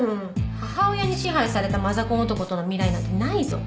母親に支配されたマザコン男との未来なんてないぞ。